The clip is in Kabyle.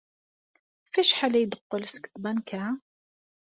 Ɣef wacḥal ay d-teqqel seg tbanka?